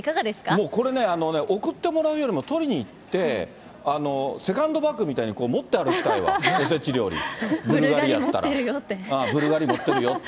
もうこれね、送ってもらうよりも、取りに行って、セカンドバッグみたいに持って歩きたいわ、おせち料理、ブルガリ持ってるよって。